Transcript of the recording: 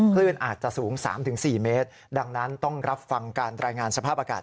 คลื่นอาจจะสูง๓๔เมตรดังนั้นต้องรับฟังการรายงานสภาพอากาศ